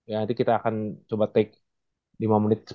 ya nanti kita akan coba take lima menit